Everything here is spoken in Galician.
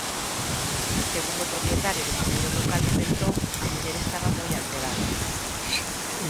Segundo o propietario do primeiro local no que entrou, a muller estaba moi alterada.